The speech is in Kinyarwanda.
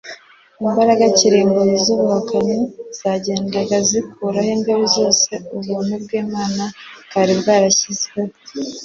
imbaraga kirimbuzi zubuhakanyi zagendaga zikuraho imbibi zose ubuntu bwImana bwari bwarashyizeho